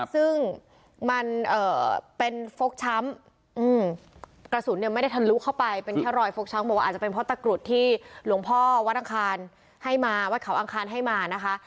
ซึ่งมันเป็นฟกช้ำกระสุนเนี่ยไม่ได้ทะลุเข้าไปเป็นแค่รอยฟกช้ำบอกว่าอาจจะเป็นเพราะตะกรุดที่หลวงพ่อวัดอังคารให้มาวัดเขาอังคารให้มานะคะ